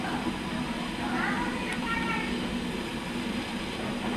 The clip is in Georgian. ისკანდარიანი არის ოლიმპიური ჩემპიონი, მსოფლიოს სამგზის ჩემპიონი და ორგზის ევროპის ჩემპიონი.